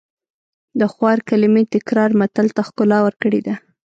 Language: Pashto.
د خوار کلمې تکرار متل ته ښکلا ورکړې ده